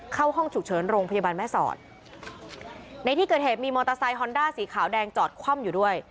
เข้าห้องฉุกเฉินโรงพยาบาลแม่สอดในที่เกิดเหตุมีมอเตอร์ไซคอนด้าสีขาวแดงจอดคว่ำอยู่ด้วย